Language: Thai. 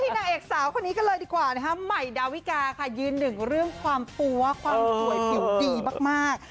นางเอกสาวคนนี้ก็เลยดีกว่านะคะใหม่ดาวิกาค่ะยืนหนึ่งเรื่องความปั๊วความสวยผิวดีมาก